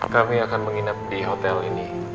kami akan menginap di hotel ini